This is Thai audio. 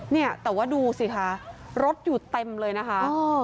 เนี่ยแต่ว่าดูสิคะรถอยู่เต็มเลยนะคะ